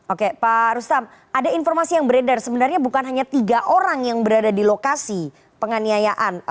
oke pak rustam ada informasi yang beredar sebenarnya bukan hanya tiga orang yang berada di lokasi penganiayaan